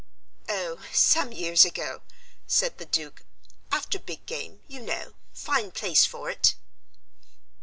"Oh, some years ago," said the Duke, "after big game, you know fine place for it."